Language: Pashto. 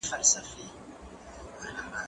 دا لرګي له هغه قوي دي!؟